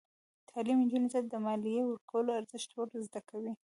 تعلیم نجونو ته د مالیې ورکولو ارزښت ور زده کوي.